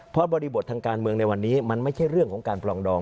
เพราะบริบททางการเมืองในวันนี้มันไม่ใช่เรื่องของการปลองดอง